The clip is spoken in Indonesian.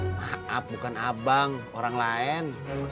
maaf bukan abang orang lain